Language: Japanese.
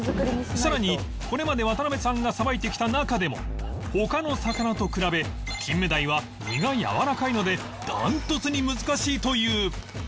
さらにこれまで渡邊さんがさばいてきた中でも他の魚と比べキンメダイは身がやわらかいので断トツに難しいという